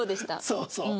そうそう。